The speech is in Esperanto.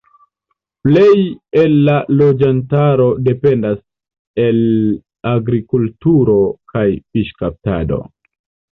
Plej el la loĝantaro dependas el agrikulturo kaj fiŝkaptado.